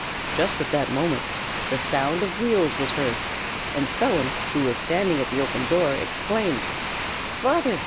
Just at that moment the sound of wheels was heard; and Phelim, who was standing at the open door, exclaimed, "Father!